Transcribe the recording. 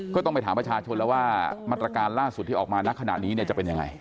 ก็ต้องไปถามประชาชนแล้วว่ามาตรการล่าสุดที่ออกมาณขณะนี้เนี่ยจะเป็นยังไง